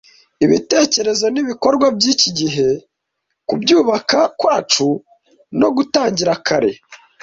Ibitekerezo n'ibikorwa by'iki gihe kubyuka kwacu no gutangira kare.